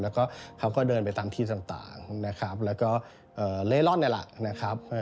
แล้วก็เขาก็เดินไปตามที่ต่างนะครับแล้วก็เล่ร่อนนี่แหละนะครับ